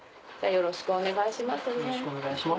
よろしくお願いします。